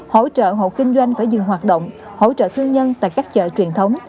hỗ trợ hộ kinh doanh phải dừng hoạt động hỗ trợ thương nhân tại các chợ truyền thống